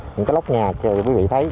những cái lóc nhà cho quý vị thấy